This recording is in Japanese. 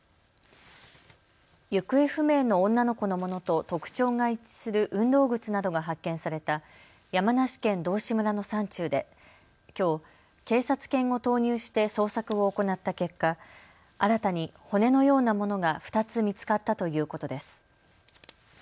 行方不明の女の子のものと特徴が一致する運動靴などが発見された山梨県道志村の山中できょう警察犬を投入して捜索を行った結果、新たに骨のようなものが２つ見つかったということです。